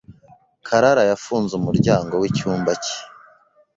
Karara yafunze umuryango w'icyumba cye.